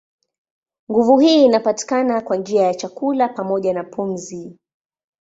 Nguvu hii inapatikana kwa njia ya chakula pamoja na pumzi.